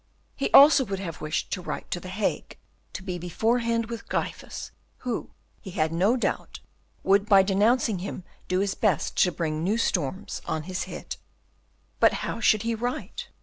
He also would have wished to write to the Hague to be beforehand with Gryphus, who, he had no doubt, would by denouncing him do his best to bring new storms on his head. But how should he write?